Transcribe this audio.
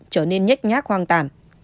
trở nên nhét nhát hoang tàn